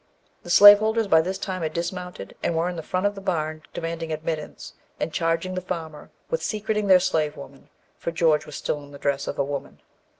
The slaveholders by this time had dismounted, and were in front of the barn demanding admittance, and charging the farmer with secreting their slave woman, for George was still in the dress of a woman.